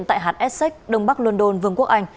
tại hạt essex đông bắc london vương quốc anh